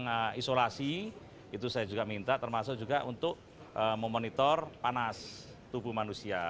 nah isolasi itu saya juga minta termasuk juga untuk memonitor panas tubuh manusia